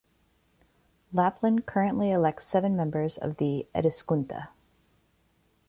Lapland currently elects seven members of the "Eduskunta".